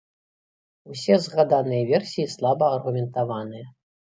Усе згаданыя версіі слаба аргументаваныя.